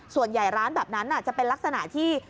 ส่วนใหญ่ร้านแบบนั้นจะเป็นลักษณะที่